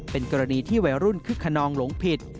เป็นกรณีที่วัยรุ่นคึกขนองหลงผิด